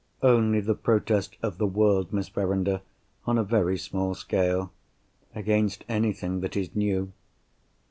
"Only the protest of the world, Miss Verinder—on a very small scale—against anything that is new."